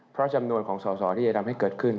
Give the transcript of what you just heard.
เพราะจำนวนของสอสอที่จะทำให้เกิดขึ้น